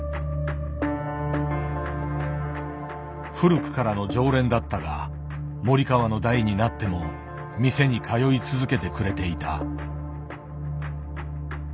古くからの常連だったが森川の代になっても店に通い続けてくれていた。